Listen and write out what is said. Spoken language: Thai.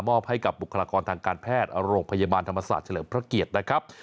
ให้กับบุคลากรทางการแพทย์โรงพยาบาลธรรมศาสตร์เฉลิมพระเกียรตินะครับ